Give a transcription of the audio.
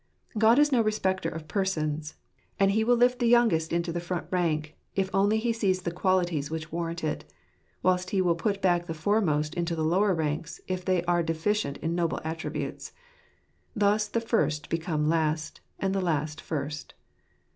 God is no respecter of persons, and He will lift the youngest into the front rank if only he sees the qualities which warrant it; whilst He will put back the foremost into the lower ranks if they are deficient in noble attributes. Thus the first become last, and the last first.